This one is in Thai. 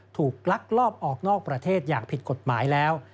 ลักลอบออกนอกประเทศอย่างผิดกฎหมายแล้ว